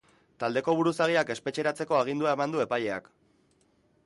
Taldeko buruzagiak espetxeratzeko agindua eman du epaileak.